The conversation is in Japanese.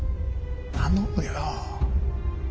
頼むよ。